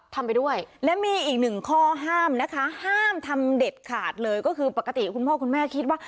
ทำไปด้วยและมีอีกหนึ่งข้อห้ามนะคะห้ามทำเด็ดขาดเลยก็คือปกติคุณพ่อคุณแม่คิดว่า